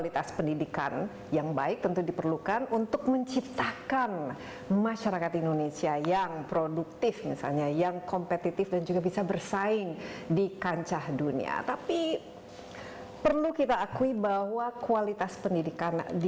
terima kasih pak